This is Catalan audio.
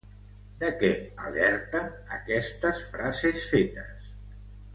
De què alerten aquestes frases fetes?